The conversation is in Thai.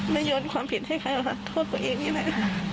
ไม่ยนต์ความผิดให้ใครแล้วโทษตัวเองนี่แหละ